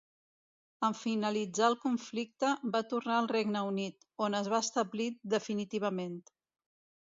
En finalitzar el conflicte, va tornar al Regne Unit, on es va establir definitivament.